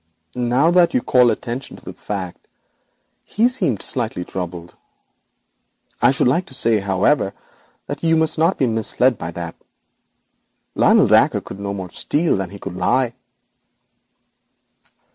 'Now that you call attention to the fact, he seemed slightly troubled. I should like to say, however, that you must not be misled by that. Lionel Dacre could no more steal than he could lie.'